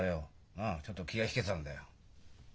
まあちょっと気が引けてたんだよ。